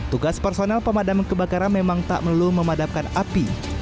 tugas personel pemadam kebakaran memang tak melulu memadamkan api